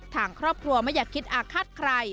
ทางครอบครัวไม่อยากคิดอาฆาตใคร